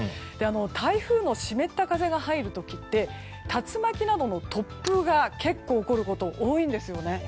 台風の湿った風が入る時って竜巻などの突風が結構起こること多いんですよね。